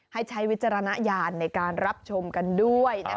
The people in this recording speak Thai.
ใช้วิจารณญาณในการรับชมกันด้วย